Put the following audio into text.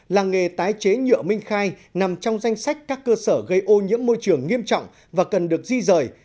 làng nghề tái chế nhựa minh khai nằm trong danh sách các cơ sở gây ô nhiễm môi trường nghiêm trọng và cần được di rời